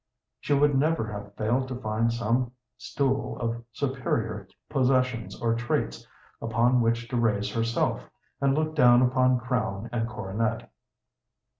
She would never have failed to find some stool of superior possessions or traits upon which to raise herself, and look down upon crown and coronet.